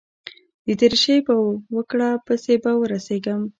د درېشۍ په وکړه پسې به ورسېږم.